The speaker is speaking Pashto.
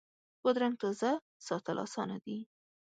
بادرنګ تازه ساتل اسانه دي.